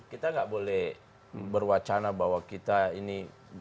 kita nggak boleh berwacana bahwa kita ini